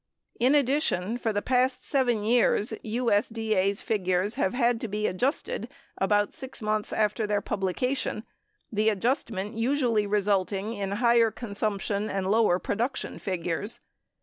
In addition, for the past 7 years, USDA's figures have had to be adjusted about 6 months after their publication, the ad justment usually resulting in higher consumption and lower production figures.